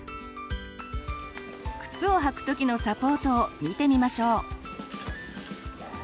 靴をはく時のサポートを見てみましょう。